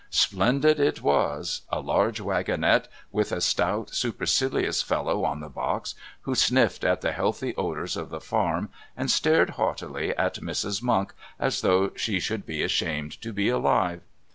Splendid it was! A large wagonette, with a stout supercilious fellow on the box who sniffed at the healthy odours of the farm and stared haughtily at Mrs. Monk as though she should be ashamed to be alive.